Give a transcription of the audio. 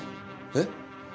えっ？